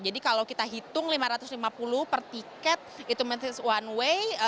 jadi kalau kita hitung lima ratus lima puluh per tiket itu menurut saya one way